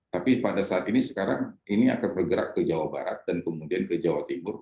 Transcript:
tapi pada saat ini sekarang ini akan bergerak ke jawa barat dan kemudian ke jawa timur